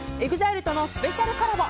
ＥＸＩＬＥとのスペシャルコラボ